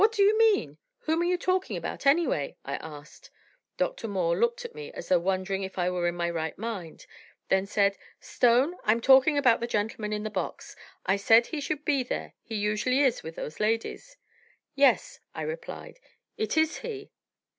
"What do you mean? Whom are you talking about, anyway?" I asked. Doctor Moore looked at me as though wondering if I were in my right mind, then said: "Stone, I am talking about the gentleman in the box; I said he should be there; he usually is with those ladies." "Yes," I replied, "it is he!"